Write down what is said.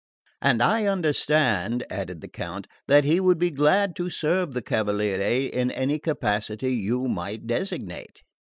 "And I understand," added the Count, "that he would be glad to serve the cavaliere in any capacity you might designate."